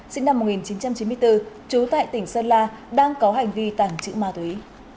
sinh năm một nghìn chín trăm chín mươi bốn trú tại tỉnh sơn la đang có hành vi tàng trữ ma túy